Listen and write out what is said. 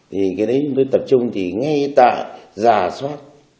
thì cái đấy mới tập trung thì ngay tại giả soát